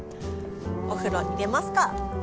お風呂入れますか！